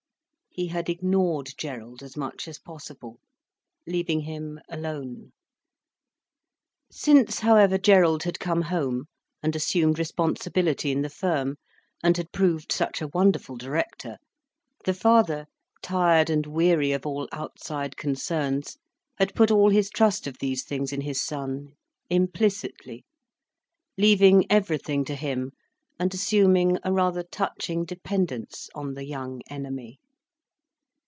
He had ignored Gerald as much as possible, leaving him alone. Since, however, Gerald had come home and assumed responsibility in the firm, and had proved such a wonderful director, the father, tired and weary of all outside concerns, had put all his trust of these things in his son, implicitly, leaving everything to him, and assuming a rather touching dependence on the young enemy.